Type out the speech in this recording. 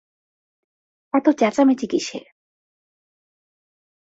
এতো চেঁচামেচি কিসের?